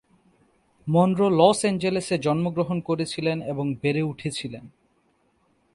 Munro Los অ্যাঞ্জেলেসে জন্মগ্রহণ করেছিলেন এবং বেড়ে উঠেছিলেন।